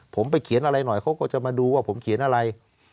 ผมไปเขียนอะไรหน่อยเขาก็จะมาดูว่าผมเขียนอะไร